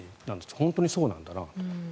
本当にそうなんだなと。